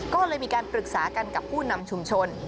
ก็เลยมีการปรึกษากันกับผู้นำชุมชน